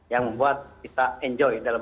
yang membuat kita enjoy dalam